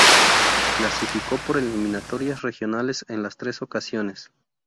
Clasificó por eliminatorias regionales en las tres ocasiones.